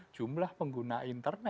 jumlah pengguna intern